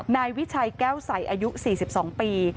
นายวิชัยแก้วใสอายุ๔๒ปี